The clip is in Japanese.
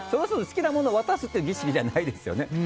好きなもの渡すっていう儀式じゃないですよね。